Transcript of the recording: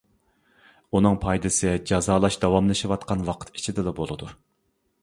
ئۇنىڭ پايدىسى جازالاش داۋاملىشىۋاتقان ۋاقىت ئىچىدىلا بولىدۇ.